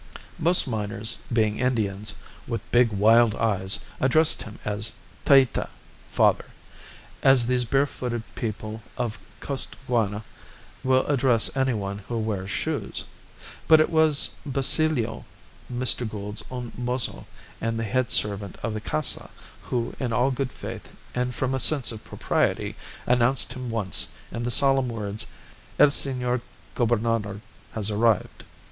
Most miners being Indians, with big wild eyes, addressed him as Taita (father), as these barefooted people of Costaguana will address anybody who wears shoes; but it was Basilio, Mr. Gould's own mozo and the head servant of the Casa, who, in all good faith and from a sense of propriety, announced him once in the solemn words, "El Senor Gobernador has arrived."